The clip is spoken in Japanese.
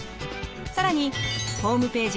更にホームページ